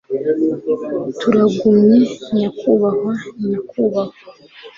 Turagumye nyakubahwa nyakubahwa